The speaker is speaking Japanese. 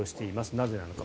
なぜなのか。